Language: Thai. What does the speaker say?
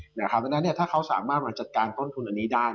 เพราะฉะนั้นถ้าเขาสามารถมาจัดการต้นทุนอันนี้ได้